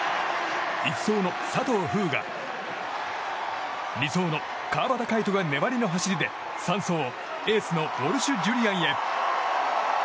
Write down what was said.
１走の佐藤風雅２走の川端魁人が粘りの走りで３走、エースのウォルシュ・ジュリアンへ。